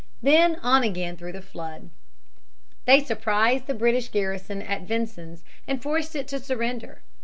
Then on again through the flood. They surprised the British garrison at Vincennes and forced it to surrender.